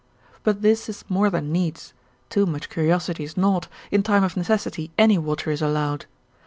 But this is more than needs, too much curiosity is naught, in time of necessity any water is allowed.